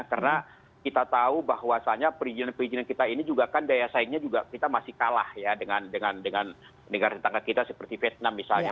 karena kita tahu bahwasannya perizinan perizinan kita ini juga kan daya saingnya juga kita masih kalah ya dengan negara tetangga kita seperti vietnam misalnya